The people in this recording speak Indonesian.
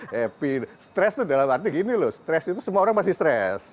happy stress itu dalam arti gini loh stres itu semua orang masih stres